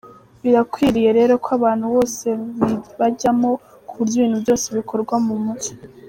Birakwiriye rero ko abantu bose bibajyamo ku buryo ibintu byose bikorwa mu mucyo.